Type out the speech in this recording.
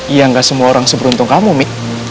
iya gak semua orang seberuntung kamu nih